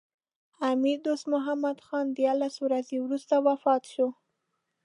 امیر دوست محمد خان دیارلس ورځې وروسته وفات شو.